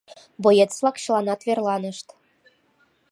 Боец-влак чыланат верланышт.